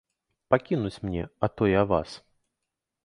Пакінуць мне, а то я вас!